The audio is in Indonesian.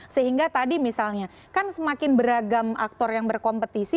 sehingga tadi misalnya kan semakin beragam aktor yang berkompetisi